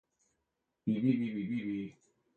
It subsequently lost his former value.